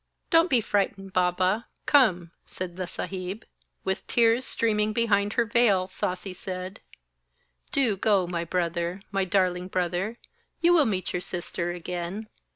'Don't be frightened, baba, come,' said the Saheb. With tears streaming behind her veil, Sasi said: 'Do go, my brother, my darling brother you will meet your sister again!'